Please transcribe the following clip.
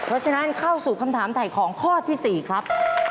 เพราะฉะนั้นเข้าสู่คำถามถ่ายของข้อที่๔ครับ